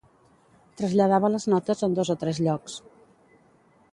Traslladava les notes en dos o tres llocs.